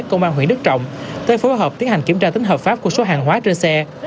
công an huyện đức trọng tới phối hợp tiến hành kiểm tra tính hợp pháp của số hàng hóa trên xe